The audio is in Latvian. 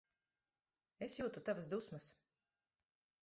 Es jūtu tavas dusmas.